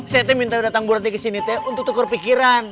saya minta datang bu ranti kesini untuk tukar pikiran